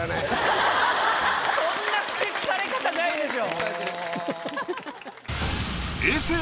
そんなふてくされ方ないでしょ！